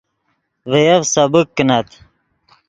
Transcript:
ڤے یف سبک کینت